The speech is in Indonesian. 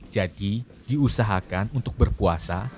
jadi diusahakan untuk berpuasa